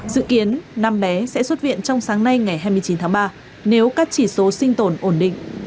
dự kiến năm bé sẽ xuất viện trong sáng nay ngày hai mươi chín tháng ba nếu các chỉ số sinh tồn ổn định